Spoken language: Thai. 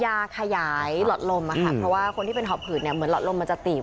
ยาขยายหลอดลมอะค่ะเพราะว่าคนที่เป็นหอบผืดเนี่ยเหมือนหลอดลมมันจะตีบ